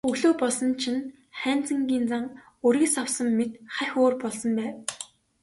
Өглөө болсон чинь Хайнзангийн зан өргөс авсан мэт хахь өөр болсон байв.